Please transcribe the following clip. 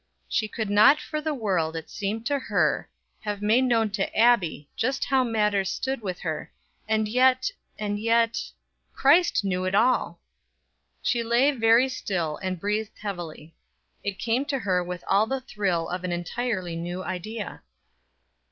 She would not for the world, it seemed to her, have made known to Abbie just how matters stood with her; and yet, and yet Christ knew it all. She lay very still, and breathed heavily. It came to her with all the thrill of an entirely new idea.